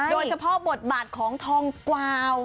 โดยเฉพาะบทบาทของทองกวาว